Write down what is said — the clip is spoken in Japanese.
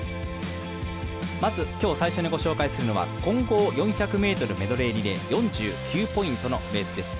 まず、今日最初にご紹介するのは混合４００ｍメドレーリレー４９ポイントのレースです。